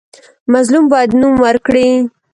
مظلوم باید نوم ورکړي.